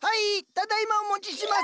ただ今お持ちします。